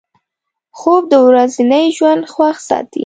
خوب د ورځني ژوند خوښ ساتي